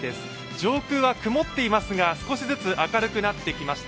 上空は曇っていますが、少しずつ明るくなってきました。